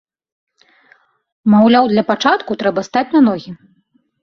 Маўляў, для пачатку трэба стаць на ногі.